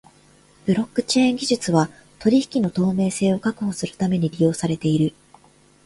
ブロックチェーン技術は取引の透明性を確保するために利用されている。